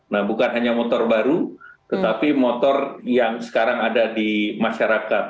nah bukan hanya motor baru tetapi motor yang sekarang ada di masyarakat